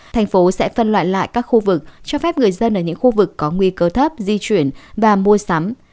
thành phố sẽ phân loại lại các khu vực cho phép người dân ở những khu vực có nguy cơ thấp di chuyển và mua sắm